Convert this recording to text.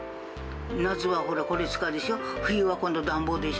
夏はほら、これ使うでしょ。